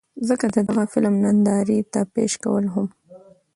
ځکه د دغه فلم نندارې ته پېش کول هم